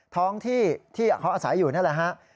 ท้องที่ที่เขาอาศัยอยู่นั่นแหละฮะ